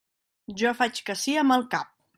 Jo faig que sí amb el cap.